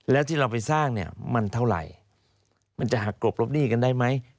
แล้วที่เราไปสร้างเนี่ยมันเท่าไหร่มันจะหักกรบรบหนี้กันได้ไหม